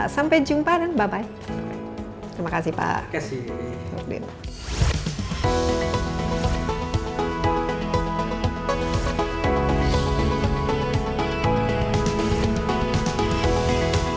sampai jumpa dan bye bye